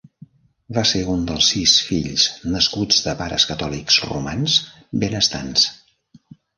Va ser un dels sis fills nascuts de pares catòlics romans benestants.